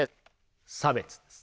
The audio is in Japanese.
差別です。